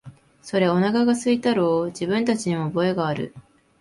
それ、おなかが空いたろう、自分たちにも覚えがある、